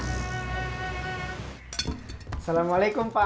assalamualaikum pak ma